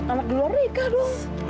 anak di luar nikah dong